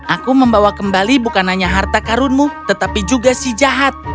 aku membawa kembali bukan hanya harta karunmu tetapi juga si jahat